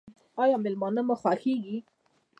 ایا میلمانه مو خوښیږي؟